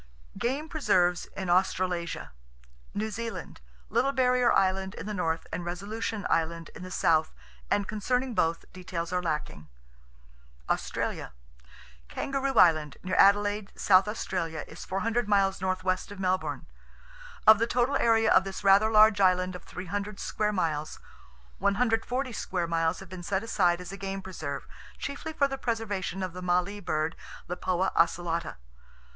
Game Preserves In Australasia New Zealand: Little Barrier Island in the north, and Resolution Island, in the south; and concerning both, details are lacking. Australia: Kangaroo Island, near Adelaide, South Australia, is 400 miles northwest of Melbourne. Of the total area of this rather large island of 300 square miles, 140 square miles have been set aside as a game preserve, chiefly for the preservation of the mallee bird (Lipoa occelata).